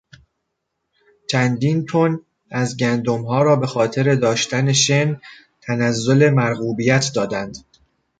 چندین تن ازگندمها را به خاطر داشتن شن تنزل مرغوبیت دادند.